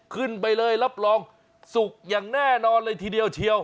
ขึ้นไปเลยรับรองสุกอย่างแน่นอนเลยทีเดียวเชียว